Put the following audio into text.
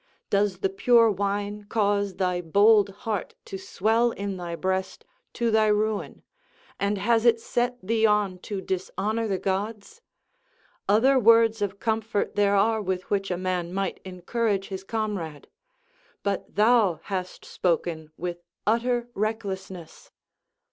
Does the pure wine cause thy bold heart to swell in thy breast to thy ruin, and has it set thee on to dishonour the gods? Other words of comfort there are with which a man might encourage his comrade; but thou hast spoken with utter recklessness.